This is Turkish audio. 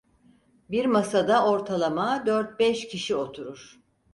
Bir masada ortalama dört beş kişi oturur.